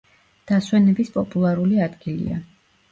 დასვენების პოპულარული ადგილია.